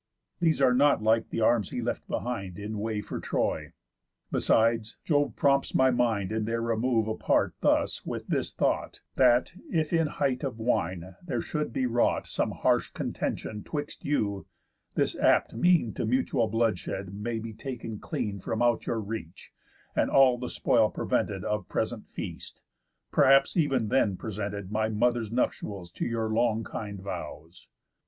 These are not like the arms he left behind, In way for Troy. Besides, Jove prompts my mind In their remove apart thus with this thought, That, if in height of wine there should be wrought, Some harsh contention 'twixt you, this apt mean To mutual bloodshed may be taken clean From out your reach, and all the spoil prevented Of present feast, perhaps ev'n then presented My mother's nuptials to your long kind vows.